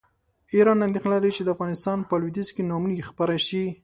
ایران اندېښنه لري چې د افغانستان په لویدیځ کې ناامني خپره شي.